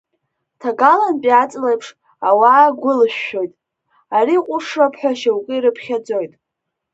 Ҭагалантәи аҵлеиԥш, ауаа агәылшәшәоит, ари ҟәышроуп ҳәа шьоукы ирыԥхьаӡоит…